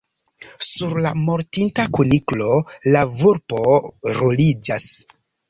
Sur la mortinta kuniklo, la vulpo ruliĝas.